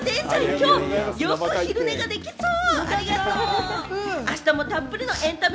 今日、よく昼寝ができそう！